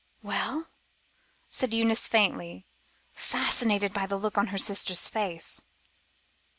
"Well?" said Eunice faintly, fascinated by the look on her sister's face.